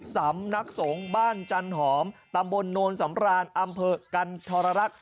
สำนักสงฆ์บ้านจันหอมตำบลโนนสำรานอำเภอกันชรรักษ